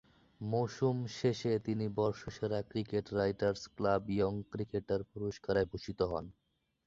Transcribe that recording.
মৌসুম শেষে তিনি বর্ষসেরা cricket writers club young cricketer পুরস্কারে ভূষিত হন।